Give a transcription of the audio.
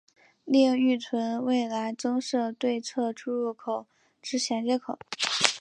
另预留未来增设对侧出入口之衔接口。